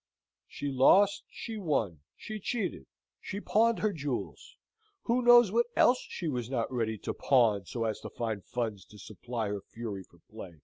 She lost; she won; she cheated; she pawned her jewels; who knows what else she was not ready to pawn, so as to find funds to supply her fury for play?